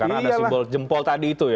karena ada simbol jempol tadi itu ya